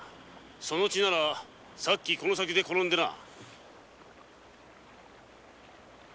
その血ならさっきこの先で転んでな。